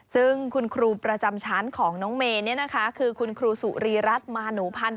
ซึ่งคุณครูประจำชั้นของน้องเมคูณครูสุระรีรัฐมาโนภัณฑ์